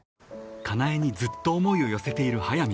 ［香苗にずっと思いを寄せている速水］